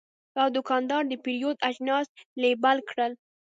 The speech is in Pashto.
دا دوکاندار د پیرود اجناس لیبل کړل.